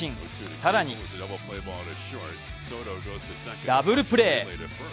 更にダブルプレー。